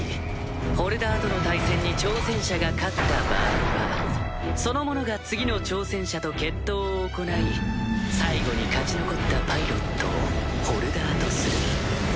ホルダーとの対戦に挑戦者が勝った場合はその者が次の挑戦者と決闘を行い最後に勝ち残ったパイロットをホルダーとする。